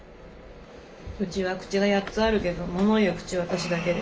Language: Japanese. うちは口が８つあるけどものを言う口は私だけで。